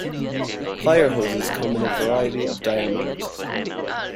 Fire hoses come in a variety of diameters.